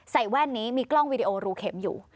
แว่นนี้มีกล้องวีดีโอรูเข็มอยู่